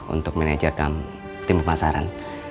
untuk manajer dalam tim pemasaran